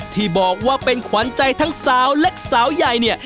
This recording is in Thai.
ที่บอกว่าเป็นขวัญใจทั้งสาวเล็กสาวใหญ่เนี่ย